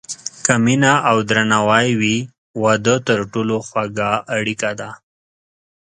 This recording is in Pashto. که مینه او درناوی وي، واده تر ټولو خوږه اړیکه ده.